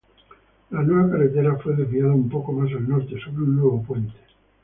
La nueva carretera fue desviada un poco más al norte sobre un nuevo puente.